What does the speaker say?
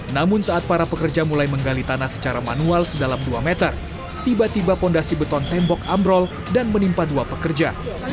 namun saat para pekerja mulai menggali tanah secara manual sedalam dua meter tiba tiba fondasi beton tembok ambrol dan menimpa dua pekerja